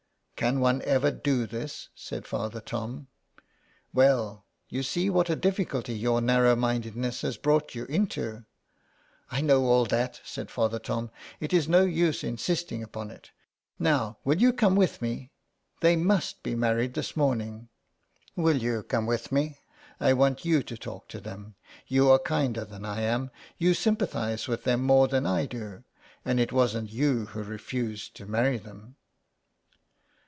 " Can one ever do this ?" said Father Tom. *' Well, you see what a difficulty your narrow mindedness has brought you into." " I know all that," said Father Tom. " It is no use insisting upon it. Now will you come with me ? They must be married this morning. Will you come with me ? I want you to talk to them. You are kinder than I am. You sympathise with them more than I do, and it wasn't you who refused to marry them."